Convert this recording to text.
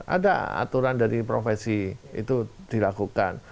ada aturan dari profesi itu dilakukan